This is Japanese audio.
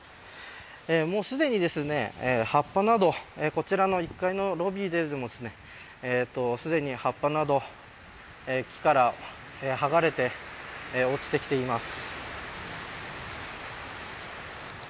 もうすでに葉っぱなどこちらの１階のロビーでも木からはがれて落ちてきています。